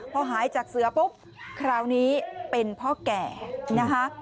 พอหายจากเสือปุ๊บคราวนี้เป็นพ่อแก่นะคะ